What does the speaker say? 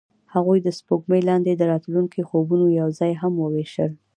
هغوی د سپوږمۍ لاندې د راتلونکي خوبونه یوځای هم وویشل.